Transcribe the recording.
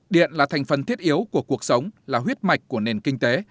điện là thành phần thiết yếu của cuộc sống là huyết mạch của nền kinh tế